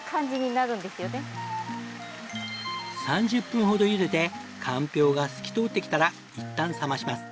３０分ほどゆでてかんぴょうが透き通ってきたらいったん冷まします。